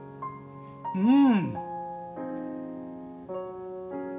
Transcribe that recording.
うん！